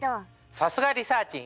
さすがリサーちん